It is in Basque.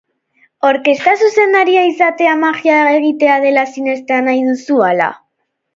Orkestra zuzendaria izatea magia egitea dela sinestea nahi duzu, ala?